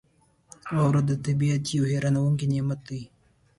• واوره د طبعیت یو حیرانونکی نعمت دی.